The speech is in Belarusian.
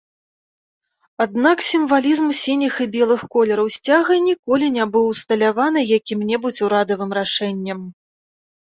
Аднак сімвалізм сініх і белых колераў сцяга ніколі не быў усталяваны якім-небудзь урадавым рашэннем.